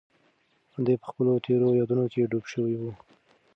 دی په خپلو تېرو یادونو کې ډوب شوی و.